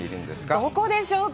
どこでしょうか。